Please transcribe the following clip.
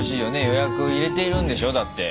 予約入れているんでしょだって。